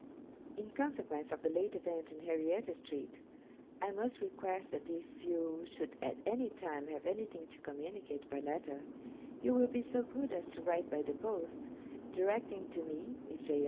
'In consequence of the late event in Henrietta Street, I must request that if you should at any time have anything to communicate by letter, you will be so good as to write by the post, directing to me (Miss J.